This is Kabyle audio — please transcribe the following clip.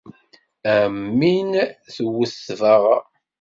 Am win tewwet tbaɣa.